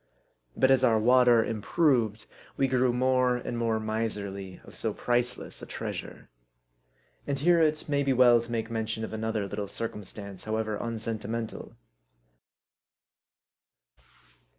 But as our water improved, we grew more and more miserly of so priceless a treasure. And here it may be well to make mention of another little circumstance, however unsentimental.